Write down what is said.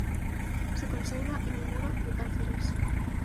Se conserva en el Museo de Cáceres.